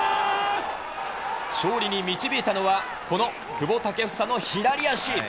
勝利に導いたのは、この久保建英の左足。